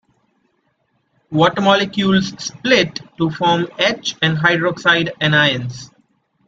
Water molecules split to form H and hydroxide anions.